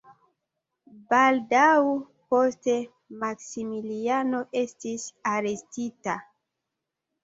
Baldaŭ poste Maksimiliano estis arestita.